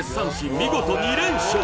見事２連勝